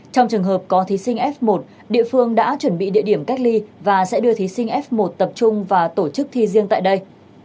trong trường hợp có thí sinh f một địa phương đã chuẩn bị địa điểm cách ly và sẽ đưa thí sinh f một tập trung và tổ chức thi riêng tại đây